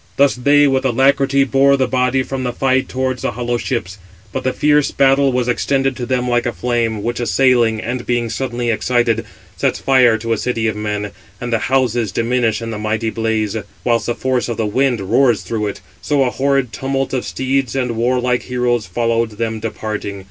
Thus they with alacrity bore the body from the fight towards the hollow ships; but the fierce battle was extended to them like a flame, which assailing, [and] being suddenly excited, sets fire to a city of men, and the houses diminish in the mighty blaze; whilst the force of the wind roars through it: so a horrid tumult of steeds and warlike heroes followed them departing.